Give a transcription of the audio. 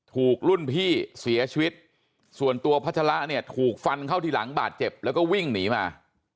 ถูกรุ่นพี่เสียชีวิตส่วนตัวพัชระเนี่ยถูกฟันเข้าที่หลังบาดเจ็บแล้วก็วิ่งหนีมา